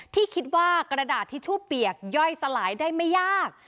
ที่คิดว่ากระดาษทิชชู่เปียกย่อยสลายได้ไม่ยาก